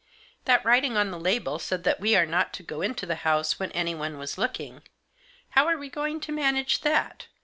" That writing on the label said that we were not to go into the house when anyone was looking. How are we going to manage that